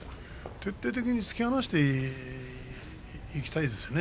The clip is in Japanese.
徹底的に突き放していきたいですよね。